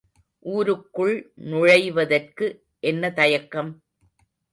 ஊருக்குள் நுழைவதற்கு என்ன தயக்கம்?